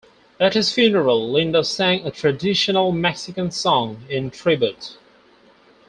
At his funeral, Linda sang a traditional Mexican song in tribute.